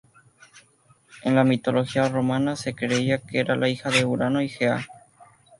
En la mitología romana se creía que era la hija de Urano y Gea.